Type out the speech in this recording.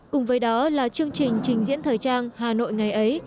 cùng với đó là chương trình trình diễn thời trang hà nội ngày ấy